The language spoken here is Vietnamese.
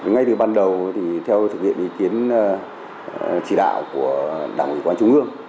ngay từ ban đầu theo thực hiện ý kiến chỉ đạo của đảng ủy quan trung ương